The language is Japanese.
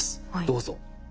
どうぞ。